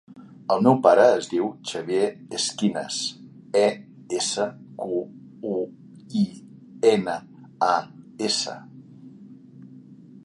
El meu pare es diu Xavier Esquinas: e, essa, cu, u, i, ena, a, essa.